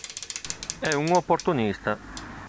È un opportunista.